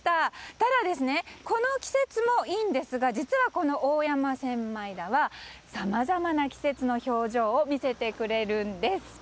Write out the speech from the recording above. ただ、この季節もいいんですが実は、この大山千枚田はさまざまな季節の表情を見せてくれるんです。